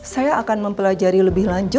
saya akan mempelajari lebih lanjut